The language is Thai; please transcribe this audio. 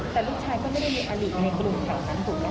แต่ลูกชายก็ไม่ได้มีอลิในกลุ่มของเขานะครับ